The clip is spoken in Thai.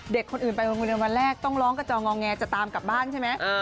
เด็กคนอื่นไปโรงเรียนวันแรกต้องร้องกระจองงอแงจะตามกลับบ้านใช่ไหม